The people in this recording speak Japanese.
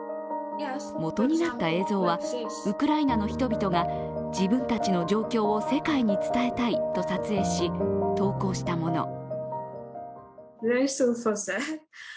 元になった映像はウクライナの人々が自分たちの状況が世界に伝えたいと撮影し投稿したもの。